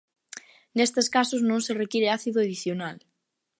Nestes casos non se require ácido adicional.